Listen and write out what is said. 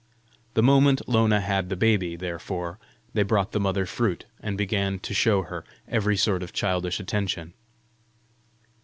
The moment Lona had the baby, therefore, they brought the mother fruit, and began to show her every sort of childish attention.